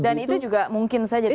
dan itu juga mungkin saja terjadi